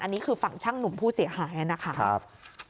อันนี้คือฝั่งช่างหนุ่มผู้เสียหายนะครับ